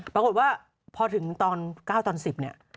ปรากฏว่าพอถึงตอน๙ตอน๑๐เนี่ย